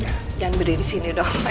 jangan berdiri disini dong